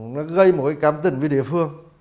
nó gây một cảm tình với địa phương